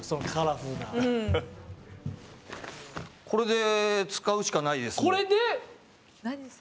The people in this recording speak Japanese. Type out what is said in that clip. これで使うしかないですね。